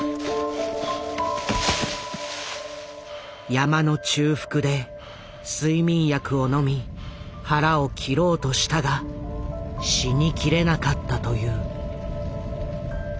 山の中腹で睡眠薬を飲み腹を切ろうとしたが死にきれなかったという。